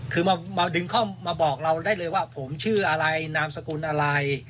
คือมาดึงเข้ามาบอกเราได้เลยว่าผมชื่ออะไรนามสกุลอะไร